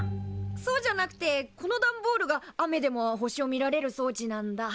そうじゃなくてこの段ボールが雨でも星を見られる装置なんだ。